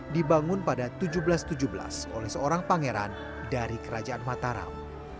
dibangun pada seribu tujuh ratus tujuh belas oleh seorang pangeran dari kerajaan mataram